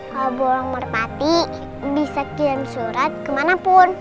kalau bawang merpati bisa kirim surat kemanapun